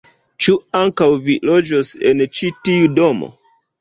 Ĉu ankaŭ vi loĝos en ĉi tiu domo?